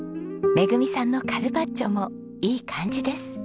めぐみさんのカルパッチョもいい感じです。